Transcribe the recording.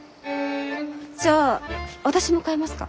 じゃあ私も買えますか？